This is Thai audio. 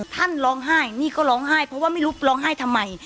ท่านร้องไห้นี่ก็ร้องไห้เพราะว่าไม่รู้ร้องไห้ทำไม